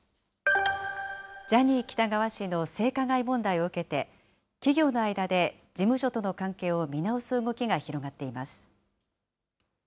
ジャニー喜多川氏の性加害問題を受けて、企業の間で事務所との関係を見直す動きが広がっています。